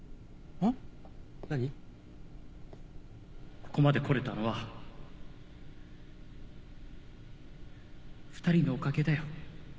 ここまで来れたのは２人のおかげだよ。